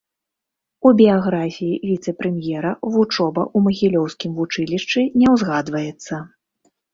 У біяграфіі віцэ-прэм'ера вучоба ў магілёўскім вучылішчы не ўзгадваецца.